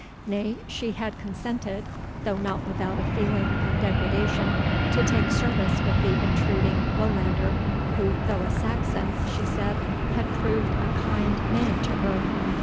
Nay, she had consented, though not without a feeling of degradation, to take service with the intruding Lowlander, who, though a Saxon, she said, had proved a kind man to her.